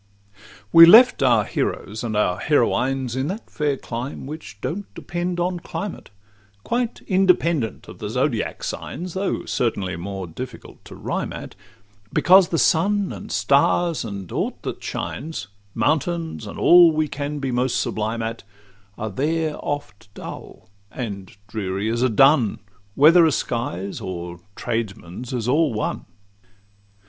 We left our heroes and our heroines In that fair clime which don't depend on climate, Quite independent of the Zodiac's signs, Though certainly more difficult to rhyme at, Because the sun, and stars, and aught that shines, Mountains, and all we can be most sublime at, Are there oft dull and dreary as a dun— Whether a sky's or tradesman's is all one.